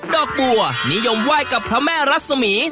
ดอกบัวนิยมไหว้กับพระแม่รัศมี